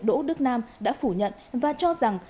đỗ đức nam đã phủ nhận và cho rằng